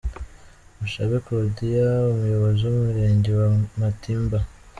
Mushabe Claudian umuyobozi w'Umurenge wa Matimba.